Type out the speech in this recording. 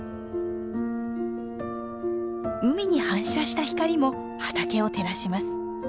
海に反射した光も畑を照らします。